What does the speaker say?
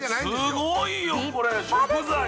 すごいよこれ食材。